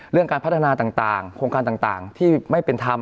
การพัฒนาต่างโครงการต่างที่ไม่เป็นธรรม